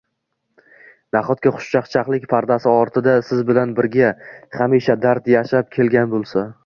Nahotki xushchaqchaqlik pardasi ortida Siz bilan birga hamisha dard yashab kelgan boʻlsa